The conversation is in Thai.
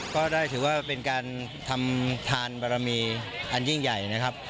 ก็ได้ถือว่าเป็นการทำทานบารมีอันยิ่งใหญ่นะครับ